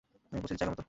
আমি পৌঁছেছি জায়গামতো।